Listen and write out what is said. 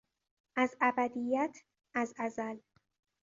از ابدیت، از ازل